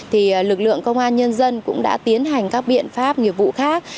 thì lực lượng công an nhân dân cũng đã tiến hành các biện pháp nghiệp vụ khác